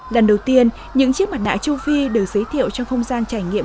lần đầu tiên những chiếc mặt nạ châu phi được giới thiệu trong không gian trải nghiệm